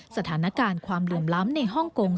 สถานการณ์ความเหลื่อมล้ำในฮ่องกง